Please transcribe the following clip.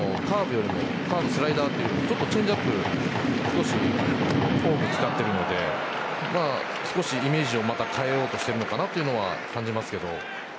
カーブ、スライダーというよりチェンジアップ少し多く使ってるので少しイメージを変えようとしているのかなというのは感じますけど。